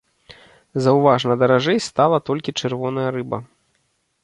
Заўважна даражэй стала толькі чырвоная рыба.